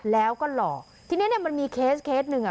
แล้วก็หลอกทีเนี้ยมันมีเคสเคสหนึ่งอ่ะ